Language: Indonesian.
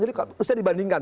jadi harusnya dibandingkan